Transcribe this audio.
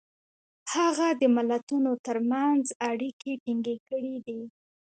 هغه د ملتونو ترمنځ اړیکې ټینګ کړي دي.